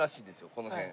この辺。